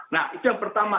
nah itu yang pertama